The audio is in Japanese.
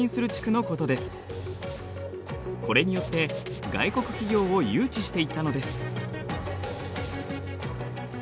これによって外国企業を誘致していったのです。